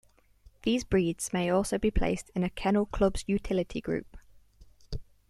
These breeds may also be placed in a kennel club's Utility Group.